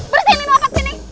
berhenti mau apa kesini